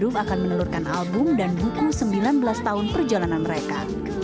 grup akan menelurkan album dan buku sembilan belas tahun perjalanan mereka